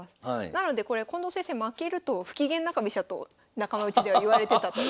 なのでこれ近藤先生負けるとフキゲン中飛車と仲間内では言われてたと。